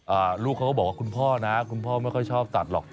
ลูกเขาก็บอกว่าคุณพ่อนะคุณพ่อไม่ค่อยชอบสัตว์หรอก